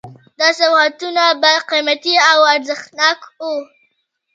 دا سوغاتونه به قیمتي او ارزښتناک وو.